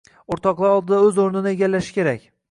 o‘rtoqlari oldida o‘z o‘rnini egallashi kerak.